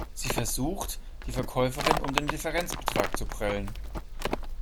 Sie versucht, die Verkäuferin um den Differenzbetrag zu prellen.